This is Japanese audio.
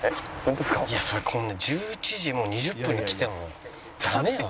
いやこんな１１時２０分に来てもダメよ